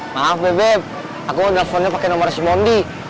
maaf bebep aku udah telfonnya pake nomer si bondi